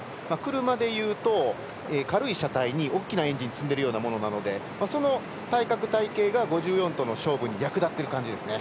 車でいうと軽い車体に大きなエンジンを積んでいるようなものでその体格・体形が５４との勝負に役立っている感じですね。